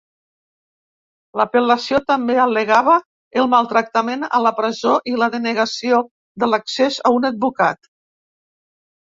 L'apel·lació també al·legava el maltractament a la presó i la denegació de l'accés a un advocat.